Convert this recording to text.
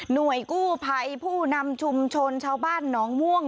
หน่วยกู้ไพรผู้นำชุมชนชาวบ้านน้องม่วง